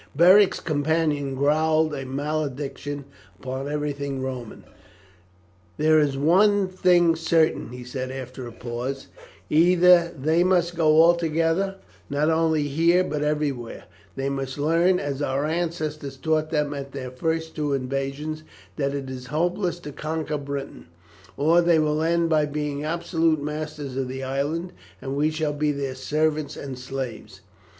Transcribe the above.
Beric's companion growled a malediction upon everything Roman. "There is one thing certain," he said after a pause, "either they must go altogether, not only here but everywhere they must learn, as our ancestors taught them at their two first invasions, that it is hopeless to conquer Britain or they will end by being absolute masters of the island, and we shall be their servants and slaves."